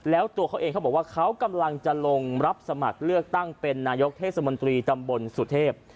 แล้วตัวเขาเองเขาบอกว่าเขากำลังจะลงรับสมัครเลือกตั้งเป็นนายกเทศมนตรีตำบลสุเทพ